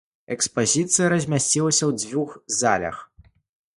Экспазіцыя размясцілася ў дзвюх залах.